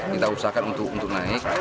kita usahakan untuk naik